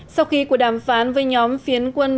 sau khi cuộc đàm phán với nhóm phiến quân